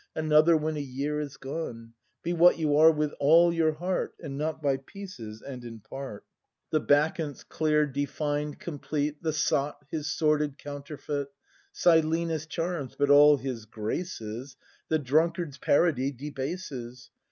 Another when a year is gone; Be what you are with all your heart, And not by pieces and in part. 40 BRAND [ACT i The Bacchant's clear, deiBned, complete. The sot, his sordid counterfeit; Silenus charms; but all his graces The drunkard's parody debases.